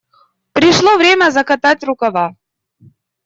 Пришло время закатать рукава.